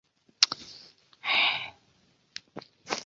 英雄时机之轮大致分为单人轮和多人轮。